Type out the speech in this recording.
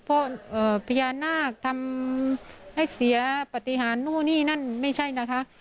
เพราะพญานาคทำให้เสียปฏิหารนู่นนี่นั่นไม่ใช่นะคะ